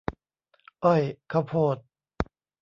อ้อย ข้าวโพด